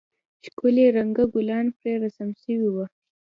ښکلي رنگه گلان پرې رسم سوي وو.